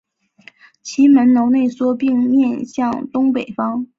其门楼内缩并面向东北方。